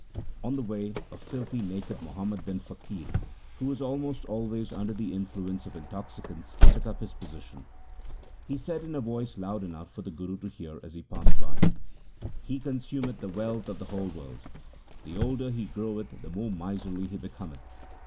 On the way a filthy naked Muhammadan faqir, who was almost always under the influence of intoxicants, took up his position. He said in a voice loud enough for the Guru to hear as he passed by : 'He con sumeth the wealth of the whole world. The older he groweth the more miserly he become th.